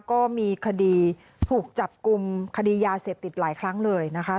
ก็มีคดีถูกจับกลุ่มคดียาเสพติดหลายครั้งเลยนะคะ